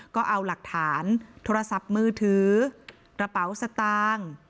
ก็เอาหลักฐานโทรศัพท์มือถือกระเป๋าสตางค์